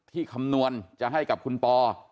คำนวณจะให้กับคุณปอ